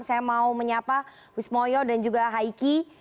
saya mau menyapa wismoyo dan juga haiki